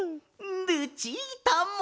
ルチータも！